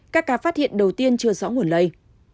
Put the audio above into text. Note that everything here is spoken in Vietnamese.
các ca phát hiện đầu tiên chưa rõ nguồn lây